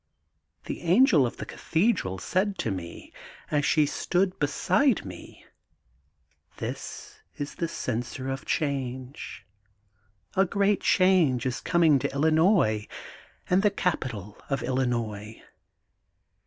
The Angel of the Cathe dral said to me, as she stood beside me: — 'This is the Censer of Change. A great change is coming to Illinois and the Capital of Illinois.